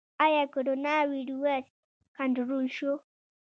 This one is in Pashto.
آیا کرونا ویروس کنټرول شو؟